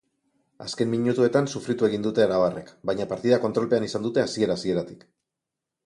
Azken minutuetan sufritu egin dute arabarrek, baina partida kontrolpean izan dute hasiera-hasieratik.